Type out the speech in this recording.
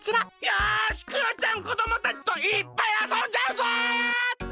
よしクヨちゃんこどもたちといっぱいあそんじゃうぞ！